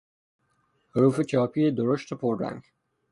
حروف چاپی درشت و پررنگ